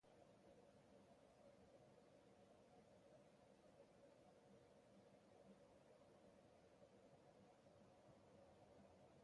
She does plenty of unofficial preaching as it is.